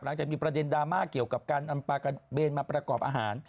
หลังจากมีประเด็นดราม่าเกี่ยวกับการนำปลากระเบนมาประกอบอาหาร